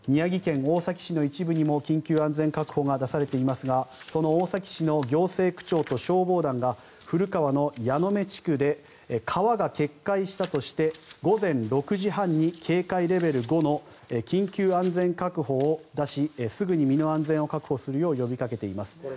宮城県大崎市の一部にも緊急安全確保が出されていますがその大崎市の行政区長と消防団が古川の矢目地区で川が決壊したということで午前６時半に警戒レベル５の緊急安全確保を出しすぐに身の安全を確保するよう呼びかけています。